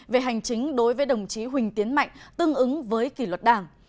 về hành chính đối với đồng chí huỳnh tiến mạnh tương ứng với kỷ luật đảng